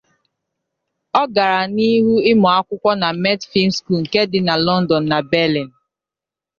Ọ gara n'ihu ịmụ akwụkwọ na Met Film School nke dị na London na Berlin.